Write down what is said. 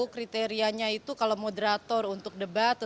kriterianya itu kalau moderator untuk debat